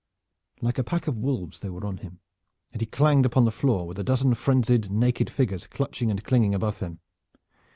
Like a pack of wolves they were on him, and he clanged upon the floor with a dozen frenzied naked figures clutching and clinging above him.